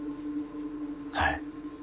はい。